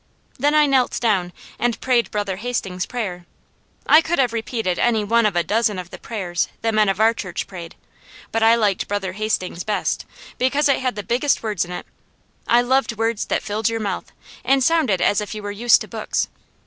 Then I knelt down, and prayed Brother Hastings' prayer. I could have repeated any one of a dozen of the prayers the men of our church prayed, but I liked Brother Hastings' best, because it had the biggest words in it. I loved words that filled your mouth, and sounded as if you were used to books.